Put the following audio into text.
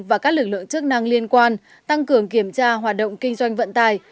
và các lực lượng chức năng liên quan tăng cường kiểm tra hoạt động kinh doanh vận tải